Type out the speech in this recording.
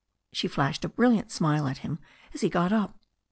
She flashed a brilliant smile at him as he got up.